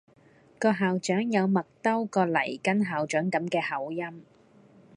個校長有麥兜個黎根校長咁嘅口音⠀